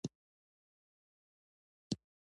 یو صندوق له خاورې را وایستل شو، چې ښخ و.